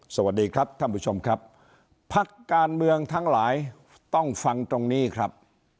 สวัสดีครับท่านผู้ชมครับพักการเมืองทั้งหลายต้องฟังตรงนี้ครับ